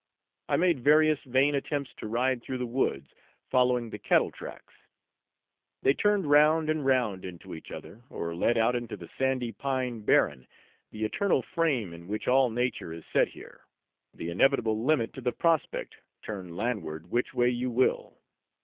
I made various vain attempts to ride through the woods, following the cattle tracks; they turned round and round into each other, or led out into the sandy pine barren, the eternal frame in which all nature is set here, the inevitable limit to the prospect, turn landward which way you will.